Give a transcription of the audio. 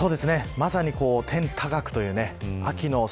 まさに天高くという秋の空。